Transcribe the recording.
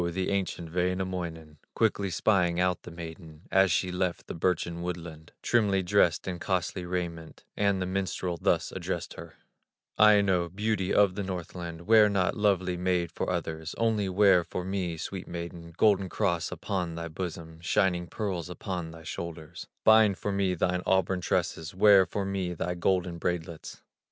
the ancient Wainamoinen, Quickly spying out the maiden, As she left the birchen woodland, Trimly dressed in costly raiment, And the minstrel thus addressed her: "Aino, beauty of the Northland, Wear not, lovely maid, for others, Only wear for me, sweet maiden, Golden cross upon thy bosom, Shining pearls upon thy shoulders; Bind for me thine auburn tresses, Wear for me thy golden braidlets."